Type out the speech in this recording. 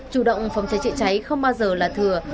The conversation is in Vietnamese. chủ động phòng cháy chữa cháy không bao giờ là thừa